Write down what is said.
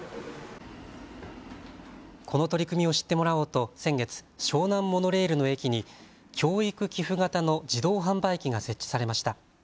この取り組みを知ってもらおうと先月、湘南モノレールの駅に教育寄付型の自動販売機が設置されました。